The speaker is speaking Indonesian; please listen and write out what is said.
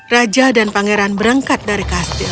raja dan pangeran berangkat dari kastil